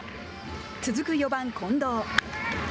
続く４番近藤。